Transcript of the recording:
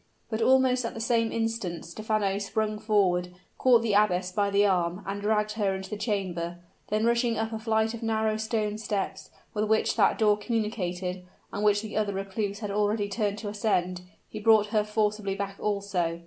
But almost at the same instant Stephano sprung forward, caught the abbess by the arm, and dragged her into the chamber; then rushing up a flight of narrow stone steps, with which that door communicated, and which the other recluse had already turned to ascend, he brought her forcibly back also.